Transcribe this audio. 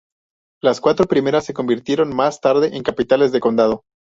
Las cuatro primeras se convirtieron más tarde en capitales de condado.